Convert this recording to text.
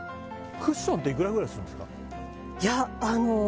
クッションっていくらぐらいするんですか？